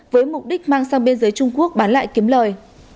với mục đích mang sang biên giới trung quốc bán lại kiếm lời